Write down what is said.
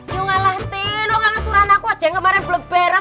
yungalah tin lo nggak ngesuran aku aja yang kemarin belum beres